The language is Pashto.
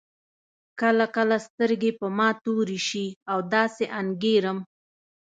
کله کله سترګې په ما تورې شي او داسې انګېرم.